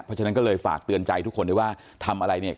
เพราะฉะนั้นก็เลยฝากเตือนใจทุกคนด้วยว่าทำอะไรเนี่ย